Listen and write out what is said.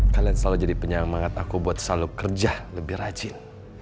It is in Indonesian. kalian selalu jadi penyemangat aku buat selalu kerja lebih rajin